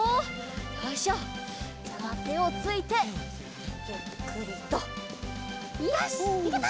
よいしょじゃあてをついてゆっくりとよしいけた！